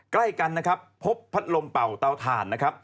ใกล้กันนะครับพบพัดลมเป่าเตาถ่านนะครับ